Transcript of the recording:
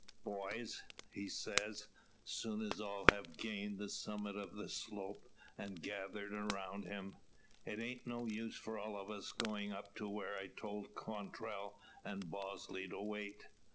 "Boys!" he says, soon as all have gained the summit of the slope, and gathered around him, "it ain't no use for all o' us going to where I told Quantrell an' Bosley to wait.